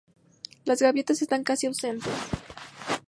Las gaviotas están casi ausentes.